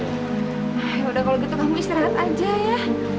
ya sudah kalau begitu kamu istirahat saja ya